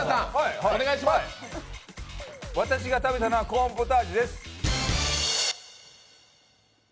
私が食べたのはコーンポタージュです。